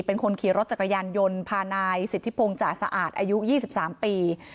เป็นคนขี่รถจักรยานยนต์พานายสิทธิพงศ์จ่าสะอาดอายุ๒๓ปี